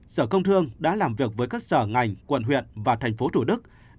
sở công thương đã làm việc với các sở ngành quận huyện và tp hcm